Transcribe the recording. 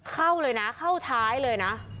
เข้าเลยนะเข้าท้ายเลยนะ